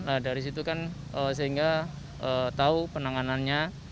nah dari situ kan sehingga tahu penanganannya